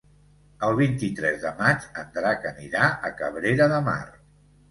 El vint-i-tres de maig en Drac anirà a Cabrera de Mar.